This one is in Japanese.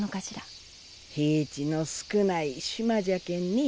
平地の少ない島じゃけんね。